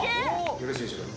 よろしいでしょうか？